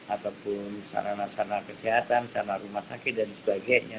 ataupun sarana sarana kesehatan sarana rumah sakit dan sebagainya